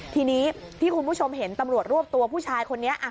ทีนี้ที่คุณผู้ชมเห็นตำรวจรวบตัวผู้ชายคนนี้